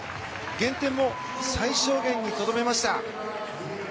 減点も最小限にとどめました。